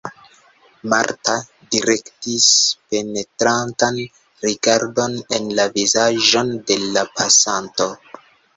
Marta direktis penetrantan rigardon en la vizaĝon de la pasanto.